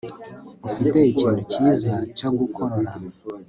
ufite ikintu cyiza cyo gukorora